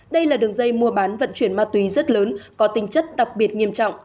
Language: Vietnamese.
đây là đường dây mua bán vận chuyển ma túy rất lớn có tinh chất đặc biệt nghiêm trọng